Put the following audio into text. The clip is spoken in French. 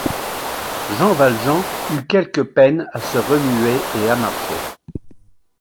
Jean Valjean eut quelque peine à se remuer et à marcher.